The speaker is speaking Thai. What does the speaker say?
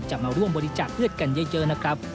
มาร่วมบริจาคเลือดกันเยอะนะครับ